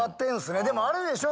でもあるでしょ。